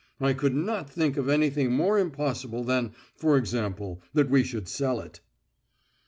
I could not think of anything more impossible than, for example, that we should sell it."